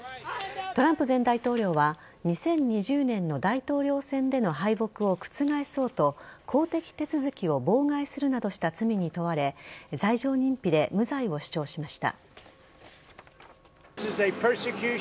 トランプ前大統領は２０２０年の大統領選での敗北を覆そうと公的手続きを妨害するなどした罪に問われ退場認否で無罪を主張しました。